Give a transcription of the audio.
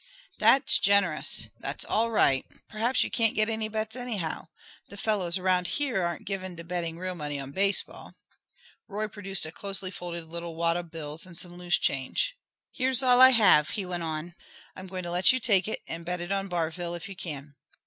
"That's generous; that's all right. Perhaps you can't get any bets, anyhow. The fellows around here aren't given to betting real money on baseball." Roy produced a closely folded little wad of bills and some loose change. "Here's all I have," he went on. "I'm going to let you take it and bet it on Barville, if you can."